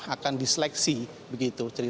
akan diseleksi begitu